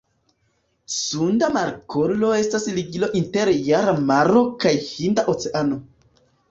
Sunda Markolo estas ligilo inter Java Maro kaj Hinda Oceano.